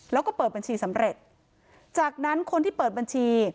แล้วก็เปิดบัญชีสำเร็จจากนั้นคนที่เปิดบัญชี